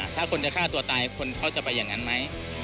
ถ้าคนจะฆ่าตัวตายคนเขาจะไปอย่างนั้นไหม